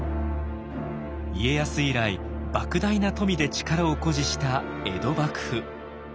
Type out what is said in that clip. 家康以来ばく大な富で力を誇示した江戸幕府。